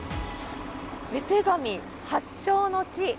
絵手紙発祥の地